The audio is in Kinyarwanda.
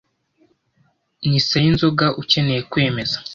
Ni Sayinzoga ukeneye kwemeza.